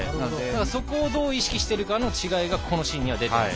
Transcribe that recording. そこをどう意識しているかの違いが今のこのシーンには出てるんです。